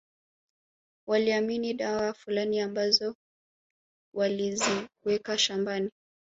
Waliamini dawa fulani ambazo waliziweka shambani